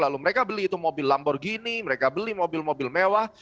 lalu mereka beli itu mobil lamborghini mereka beli mobil mobil mewah